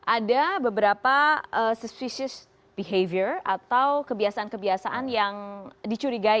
ada beberapa suspicious behavior atau kebiasaan kebiasaan yang dicurigakan